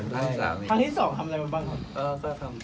แล้วก็เตรียมตัวเองทำทางที่๓ด้วย